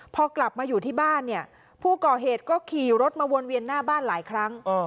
พอกลับมาอยู่ที่บ้านเนี่ยผู้ก่อเหตุก็ขี่รถมาวนเวียนหน้าบ้านหลายครั้ง